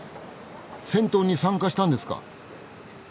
戦闘に参加したんですか！？